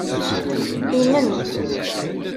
Inem.